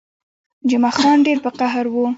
جمعه خان ډېر په قهر وو.